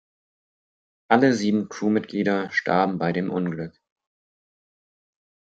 Alle sieben Crewmitglieder starben bei dem Unglück.